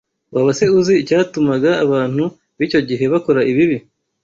Waba se uzi icyatumaga abantu b’icyo gihe bakora ibibi